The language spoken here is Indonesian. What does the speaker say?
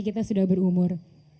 kita sudah berumur